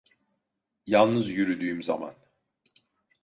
Yalnız yürüdüğüm zaman.